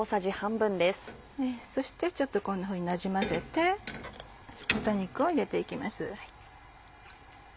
そしてこんなふうになじませて豚肉を入れて行きます。